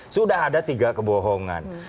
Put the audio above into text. sudah ada tiga kebohongan